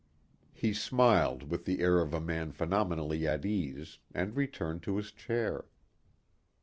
He smiled with the air of a man phenomenally at ease and returned to his chair.